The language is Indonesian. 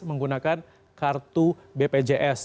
menggunakan kartu bpjs